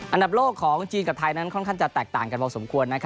อันดับโลกของจีนกับไทยนั้นค่อนข้างจะแตกต่างกันพอสมควร